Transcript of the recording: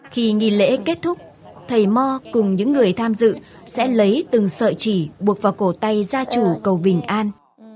khi nghi lễ kết thúc thầy mò cùng những người tham dự sẽ lấy từng sợi chỉ buộc vào cổ tay gia chủ cầu bình an